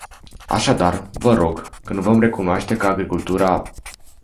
Așadar, vă rog, când vom recunoaște că agricultura...